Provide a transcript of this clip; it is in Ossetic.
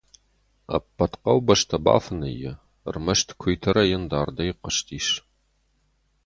Ӕппӕт хъӕубӕстӕ бафынӕй и. Ӕрмӕст куыйты рӕйын дардӕй хъуыстис.